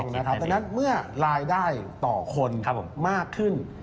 เพราะฉะนั้นเมื่อรายได้ต่อคนมากขึ้น